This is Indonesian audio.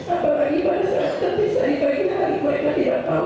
apalagi pada saat terpisah di bagian hari mereka tidak tahu